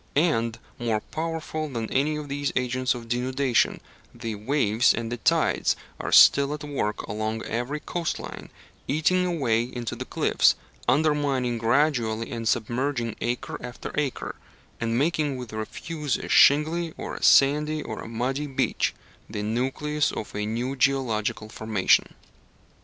And, more powerful than any of these agents of denudation, the waves and the tides are still at work along every coast line, eating away into the cliffs, undermining gradually and submerging acre after acre, and making with the refuse a shingly, or a sandy, or a muddy beach the nucleus of a new geological formation.